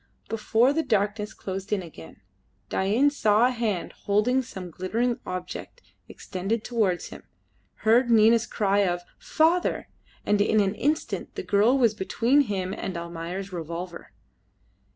Before the darkness closed in again, Dain saw a hand holding some glittering object extended towards him, heard Nina's cry of "Father!" and in an instant the girl was between him and Almayer's revolver.